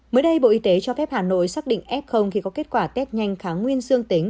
mới đây bộ y tế cho phép hà nội xác định f khi có kết quả test nhanh kháng nguyên dương tính